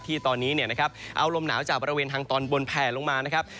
ที่ตอนนี้เอาลมหนาวจากบริเวณทางตอนบนแผ่ลงมานะครับ